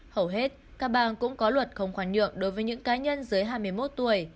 hầu hết các bang cũng có luật không khoan nhượng đối với những cá nhân dưới hai mươi một tuổi